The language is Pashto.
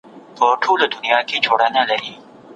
ږغ اوچت کړی دی